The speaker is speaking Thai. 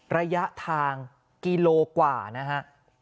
ระยะทางกิโลกว่านะฮะ